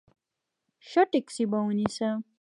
ښه ټیکسي به ونیسم.